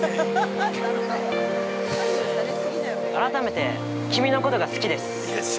改めて、君のことが好きです。